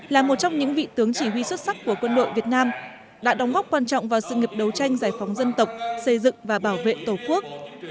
là một trong những vị tướng chỉ huy xuất sắc của quân đội việt nam đã đóng góp quan trọng vào sự nghiệp đấu tranh giải phóng dân tộc xây dựng và bảo vệ tổ quốc